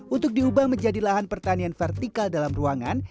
untuk diubah menjadi lahan pertanian vertikal dalam ruangan